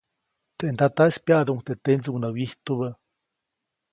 Teʼ ndataʼis pyaʼduʼuŋ teʼ tendsuŋ nä wyijtubä.